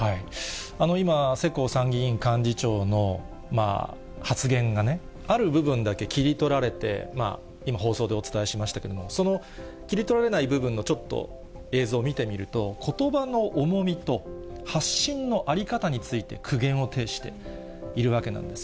今、世耕参議院幹事長の発言がね、ある部分だけ切り取られて、今、放送でお伝えしましたけれども、その切り取られない部分の、ちょっと映像を見てみると、ことばの重みと発信の在り方について、苦言を呈しているわけなんです。